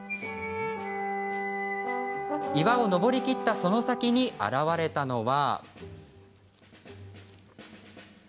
岩を登り切ったその先に現れたのは。